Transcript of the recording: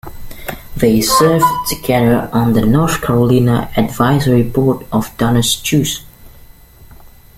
They served together on the North Carolina Advisory Board of DonorsChoose.